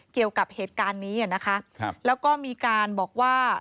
เกี่ยวกับเหตุการณ์นี้นะคะแล้วก็มีการบอกว่า